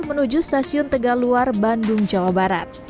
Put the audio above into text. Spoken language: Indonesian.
menuju stasiun tegaluar bandung jawa barat